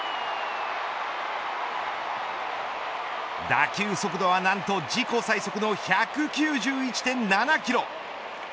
打球速度は何と自己最速の１９１．７キロ。